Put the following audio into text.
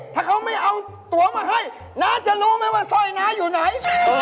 ถ้าเขาไม่เอาตัวมาให้น้าจะรู้ไหมว่าสร้อยน้าอยู่ไหน